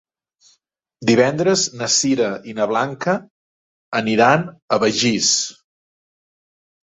Divendres na Sira i na Blanca aniran a Begís.